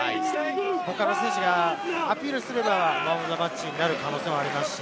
他の選手がアピールすれば、マン・オブ・ザ・マッチになる可能性はありますし。